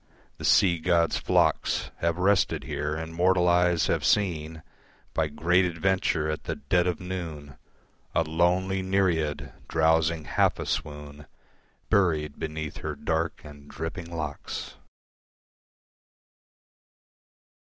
The sea god's flocks Have rested here, and mortal eyes have seen By great adventure at the dead of noon A lonely nereid drowsing half a swoon Buried beneath her dark and dripping locks.